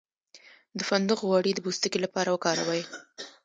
د فندق غوړي د پوستکي لپاره وکاروئ